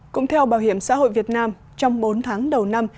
cũng theo bảo hiểm xã hội việt nam trong bốn tháng đầu năm